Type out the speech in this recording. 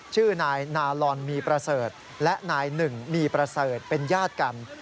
ชื่อนายนาลอนมีประเสริฐและนายหนึ่งมีประเสริฐเป็นญาติกัน